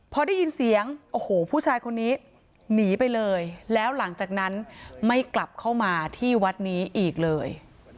พอได้ยินเสียงโอ้โหผู้ชายคนนี้หนีไปเลยแล้วหลังจากนั้นไม่กลับเข้ามาที่วัดนี้อีกเลย